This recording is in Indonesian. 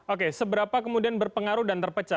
oke seberapa kemudian berpengaruh dan terpecah